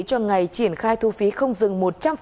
cho ngày triển khai thu phí không dừng một trăm linh